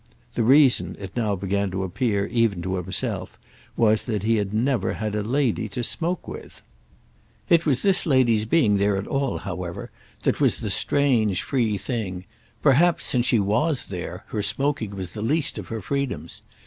The reason, it now began to appear even to himself, was that he had never had a lady to smoke with. It was this lady's being there at all, however, that was the strange free thing; perhaps, since she was there, her smoking was the least of her freedoms.